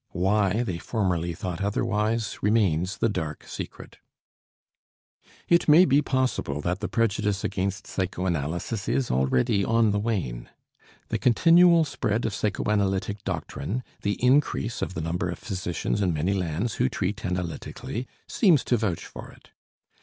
Why they formerly thought otherwise remains the dark secret. It may be possible that the prejudice against psychoanalysis is already on the wane. The continual spread of psychoanalytic doctrine, the increase of the number of physicians in many lands who treat analytically, seems to vouch for it.